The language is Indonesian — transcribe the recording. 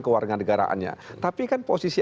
kewarganegaraannya tapi kan posisi